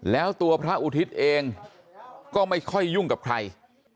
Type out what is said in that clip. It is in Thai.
แล้วตัวพระอุทิศเองก็ไม่ค่อยยุ่งกับใคร